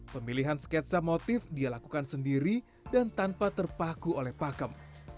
pemilihan sketsa motif dia lakukan sendiri dan tanpa terpaku oleh pakem